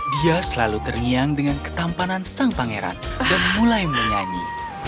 dia selalu terngiang dengan ketampanan sang pangeran dan mulai menyanyi